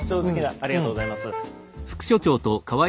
ありがとうございます。